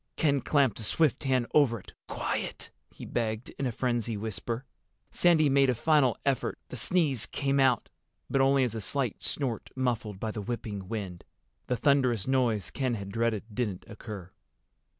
Ken clamped a swift hand over it. "Quiet!" he begged, in a frenzied whisper. Sandy made a final effort. The sneeze came, but only as a slight snort muffled by the whipping wind. The thunderous noise Ken had dreaded didn't occur.